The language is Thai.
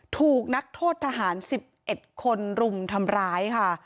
ถูกนักโทษทหาร๑๑คนรุมทำร้ายค่ะ